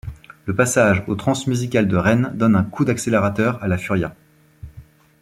Le passage aux Transmusicales de Rennes donne un coup d’accélérateur à la Furia.